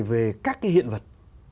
về các cái hiện vật